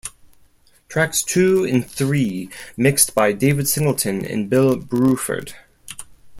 Tracks two and three mixed by David Singleton and Bill Bruford.